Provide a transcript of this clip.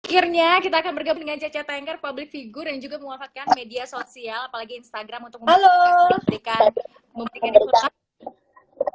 akhirnya kita akan bergabung dengan caca tayangkar public figure yang juga menguatkan media sosial apalagi instagram untuk memberikan informasi